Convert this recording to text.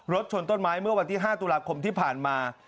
ชนต้นไม้เมื่อวันที่๕ตุลาคมที่ผ่านมา